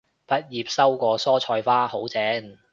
畢業收過蔬菜花，好正